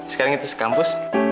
sekarang kita sekampus